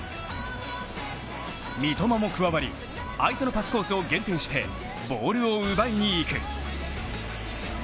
三笘も加わり相手のパスコースを限定して、ボールを奪いに行く。